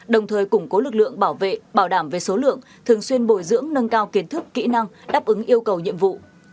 đồng thời củng cố lực lượng bảo vệ bảo đảm về số lượng thường xuyên bồi dưỡng nâng cao kiến thức kỹ năng đáp ứng yêu cầu nhiệm vụ